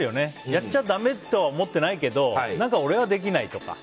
やっちゃだめとは思ってないけど俺はできないとか。